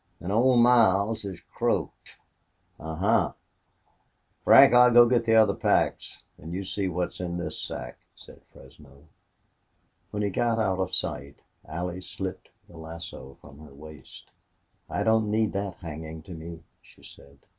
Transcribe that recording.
An' Old Miles is croaked." "A huh! Frank, I'll go git the other packs. An' you see what's in this sack," said Fresno. When he got out of sight, Allie slipped the lasso from her waist. "I don't need that hanging to me," she said.